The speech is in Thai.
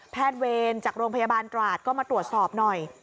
เวรจากโรงพยาบาลตราดก็มาตรวจสอบหน่อย